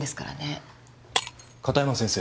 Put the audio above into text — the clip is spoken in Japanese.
片山先生。